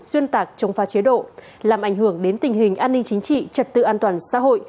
xuyên tạc chống phá chế độ làm ảnh hưởng đến tình hình an ninh chính trị trật tự an toàn xã hội